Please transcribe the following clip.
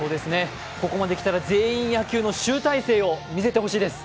ここまで来たら全員野球の集大成を見せてほしいです。